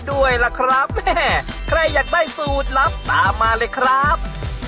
ด้วยล่ะครับแม่ใครอยากได้สูตรลับตามมาเลยครับ